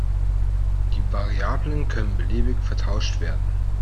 Die Variablen können beliebig vertauscht werden.